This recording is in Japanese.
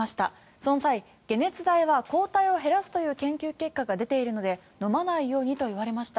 その際、解熱剤は抗体を減らすという研究結果が出ているので飲まないようにと言われました。